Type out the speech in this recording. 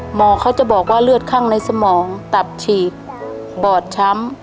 หมอเขาจะบอกว่าเลือดข้างในสมองตับฉีกบอดช้ำ